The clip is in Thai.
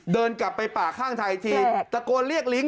เดินกลับไปป่าข้างไทยอีกทีตะโกนเรียกลิงค